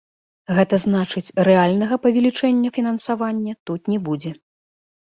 Гэта значыць, рэальнага павелічэння фінансавання тут не будзе.